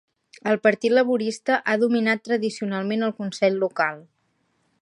El Partit Laborista ha dominat tradicionalment el consell local.